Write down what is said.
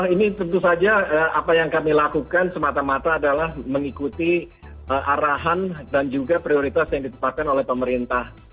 ini tentu saja apa yang kami lakukan semata mata adalah mengikuti arahan dan juga prioritas yang ditetapkan oleh pemerintah